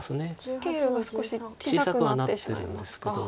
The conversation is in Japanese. スケールが少し小さくなってしまいますか。